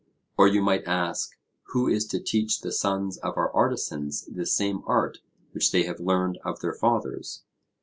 Or you might ask, Who is to teach the sons of our artisans this same art which they have learned of their fathers?